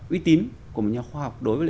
uy tín của một nhà khoa học đối với